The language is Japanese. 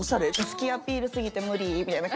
好きアピールすぎて無理みたいな。